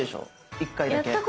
一回だけ。